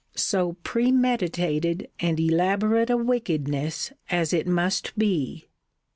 So premeditated and elaborate a wickedness as it must be!